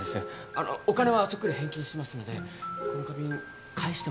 あのお金はそっくり返金しますのでこの花瓶返してもらえませんか？